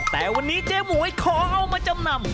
แต่วันนี้เจ๊หมวยขอเอามาจำนำ